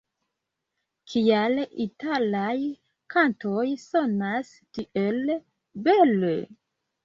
Kial italaj kantoj sonas tiel bele?